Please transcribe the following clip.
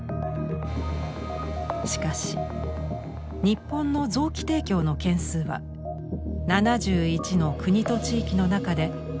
しかし日本の臓器提供の件数は７１の国と地域の中で６３番目。